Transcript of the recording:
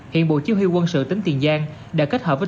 hiện bộ chi huy quân sự tỉnh tiền giang đã kết hợp với